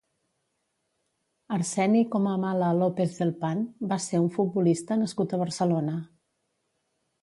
Arseni Comamala López-Del Pan va ser un futbolista nascut a Barcelona.